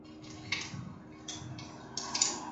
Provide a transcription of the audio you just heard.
美国地区指的美国的正式政权机构外的区划。